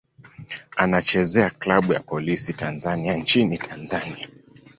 Anachezea klabu ya Polisi Tanzania nchini Tanzania.